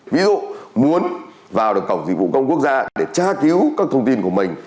ví dụ muốn vào được cổng dịch vụ công quốc gia để tra cứu các thông tin của mình